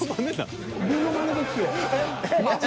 ものまねですよ。